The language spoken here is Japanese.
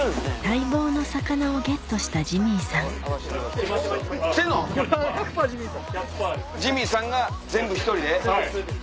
待望の魚をゲットしたジミーさん来てるの⁉ジミーさんが全部１人で？